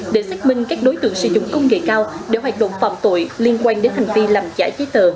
để xác minh các đối tượng sử dụng công nghệ cao để hoạt động phạm tội liên quan đến hành vi làm giả giấy tờ